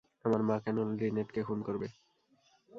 আমার মা কেন লিনেটকে খুন করবে?